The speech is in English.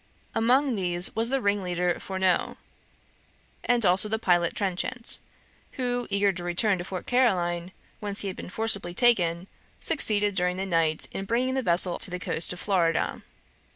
Among these was the ringleader Fourneaux, and also the pilot Trenchant, who, eager to return to Fort Caroline, whence he had been forcibly taken, succeeded during the night in bringing the vessel to the coast of Florida.